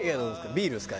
ビールですか？